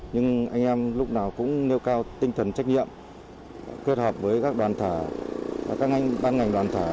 nhưng anh em lúc nào cũng nêu cao tinh thần trách nhiệm kết hợp với các đoàn thả và các ban ngành đoàn thả